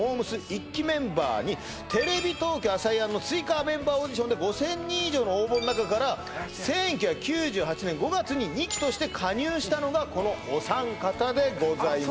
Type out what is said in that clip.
１期メンバーにテレビ東京「ＡＳＡＹＡＮ」の追加メンバーオーディションで５０００人以上の応募の中から１９９８年５月に２期として加入したのがこのお三方でございます